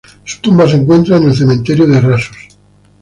Su tumba se encuentra en el cementerio de Rasos.